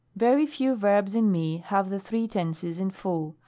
Very few verbs in (.u have the three tenses in full.